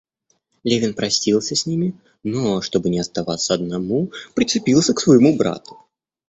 Левин простился с ними, но, чтобы не оставаться одному, прицепился к своему брату.